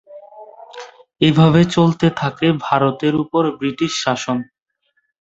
এভাবে চলতে থাকে ভারতের উপর ব্রিটিশ শাসন।